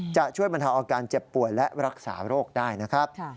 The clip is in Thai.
จะช่วยบรรเทาอาการเจ็บป่วยและรักษาโรคได้นะครับ